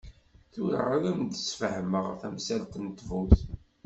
Tura ad am-d-ssfehmeɣ tamsalt s ttbut.